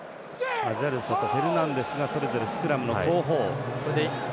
アジャルサとフェルナンデスがそれぞれスクラムの後方。